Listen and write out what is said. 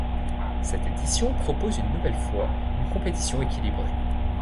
Cette édition propose une nouvelle fois une compétition équilibrée.